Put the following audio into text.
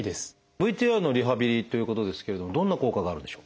ＶＴＲのリハビリということですけれどもどんな効果があるんでしょう？